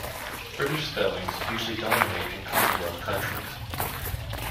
British spellings usually dominate in Commonwealth countries.